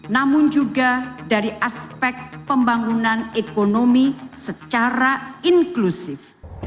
namun juga dari aspek pembangunan ekonomi secara inklusif